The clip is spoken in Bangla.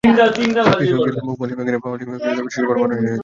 কৃষক, জেলে, মৌয়ালি-বাওয়ালি প্রভৃতি পেশার মানুষের নয়নের মণি ইনি।